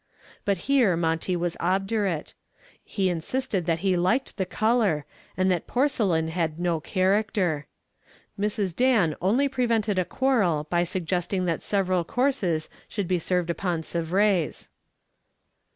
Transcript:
But here Monty was obdurate. He insisted that he liked the color and that porcelain had no character. Mrs. Dan only prevented a quarrel by suggesting that several courses should be served upon Sevres.